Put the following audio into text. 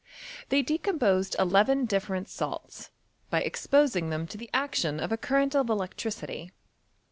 They decomposed eleven different salts, by exposing them to the action of a current of electricity.